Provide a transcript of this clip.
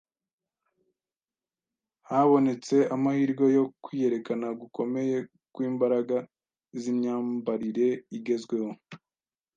habonetse amahirwe yo kwiyerekana gukomeye kw’imbaraga z’imyambarire igezweho.